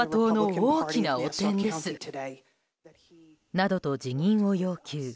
などと辞任を要求。